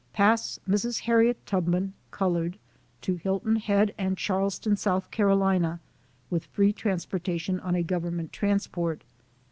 Pass Mrs. Harriet Tubman (colored) to Hilton Head and Charleston, S. C., with free transporta tion on a Government transport.